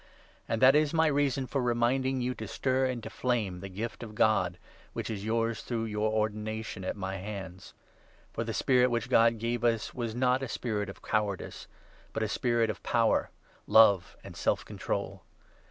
And that is my reason 6 for reminding you to stir into flame that gift of God, which is yours through your ordination at my hands. For the Spirit 7 which God gave us was not a spirit of cowardice, but a spirit of power, love, and self control.